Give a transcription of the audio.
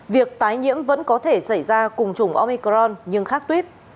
việc tái nhiễm vẫn có thể xảy ra cùng chủng omicron nhưng khác tuyếp